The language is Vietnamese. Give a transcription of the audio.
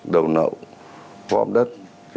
đầu nậu gom đất